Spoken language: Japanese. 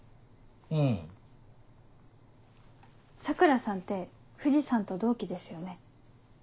桜さんって藤さんと同期ですよね。